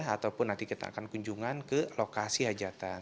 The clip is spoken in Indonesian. ataupun nanti kita akan kunjungan ke lokasi hajatan